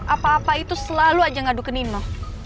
apa apa itu selalu aja ngadu ke nino